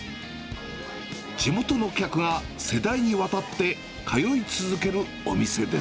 地元の客が世代にわたって通い続けるお店です。